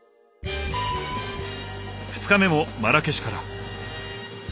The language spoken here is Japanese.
２日目もマラケシュから。